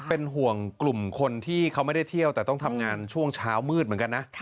เป็นห่วงกลุ่มคนที่เขาไม่ได้เที่ยวแต่ต้องทำงานช่วงเช้ามืดเหมือนกันนะ